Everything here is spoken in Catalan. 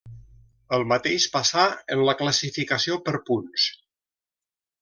El mateix passà en la classificació per punts.